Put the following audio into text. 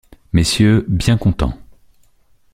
messieurs, bien contents!